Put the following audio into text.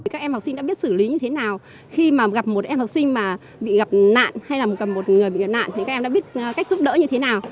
các em học sinh đã biết xử lý như thế nào khi mà gặp một em học sinh mà bị gặp nạn hay là một người bị gặp nạn thì các em đã biết cách giúp đỡ như thế nào